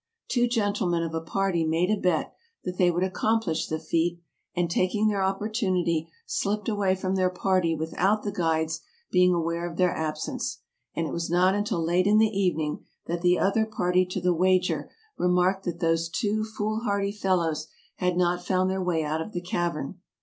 Two gentlemen of a party made a bet that they would accomplish the feat, and, taking their opportunity, slipped away from their party with out the guides being aware of their absence, and it was not until late in the evening that the other party to the wager remarked that those two foolhardy fellows had not found their way out of the cavern.